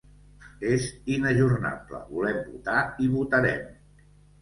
És inajornable: volem votar i votarem.